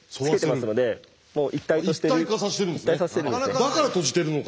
だから閉じてるのか。